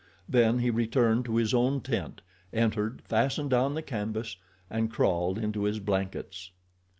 Then he returned to his own tent, entered, fastened down the canvas, and crawled into his blankets.